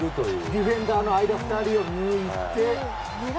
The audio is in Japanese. ディフェンダーの間２人を抜いて。